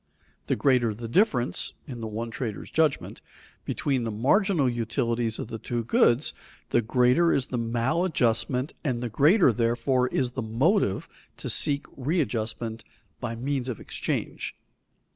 The greater the difference, in the one trader's judgment, between the marginal utilities of the two goods, the greater is the maladjustment, and the greater, therefore, is the motive to seek readjustment by means of exchange.